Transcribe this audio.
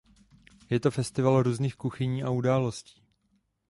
Je to festival různých kuchyní a událostí.